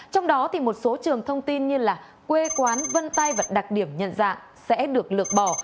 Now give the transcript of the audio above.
trong đó thì một số trường thông tin như là quê quán vân tay và đặc điểm nhận dạng sẽ được lược bỏ